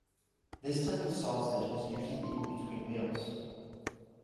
This type of sausage is usually eaten between meals.